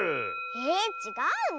えちがうの？